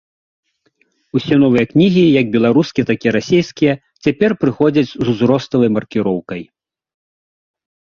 Усе новыя кнігі, як беларускія, так і расійскія, цяпер прыходзяць з узроставай маркіроўкай.